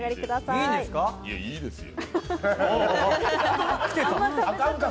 いいですよ。